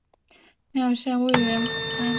乳腺导管原位癌。